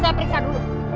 saya periksa dulu